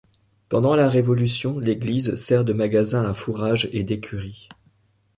Pendant la Révolution, l'église sert de magasin à fourrages et d'écurie.